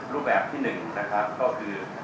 รูปแบบที่๑นะครับก็คือ